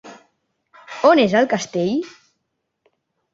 On és el castell?